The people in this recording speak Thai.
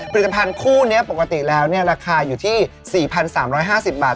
ผลิตภัณฑ์คู่นี้ปกติแล้วราคาอยู่ที่๔๓๕๐บาท